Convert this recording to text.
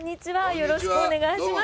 よろしくお願いします。